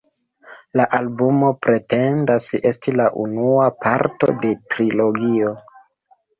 La albumo pretendas esti la unua parto de trilogio.